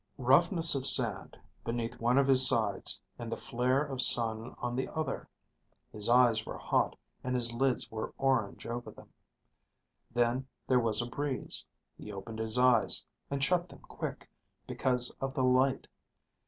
Roughness of sand beneath one of his sides and the flare of sun on the other. His eyes were hot and his lids were orange over them. Then there was a breeze. He opened his eyes, and shut them quick, because of the light.